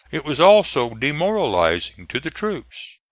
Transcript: It was also demoralizing to the troops.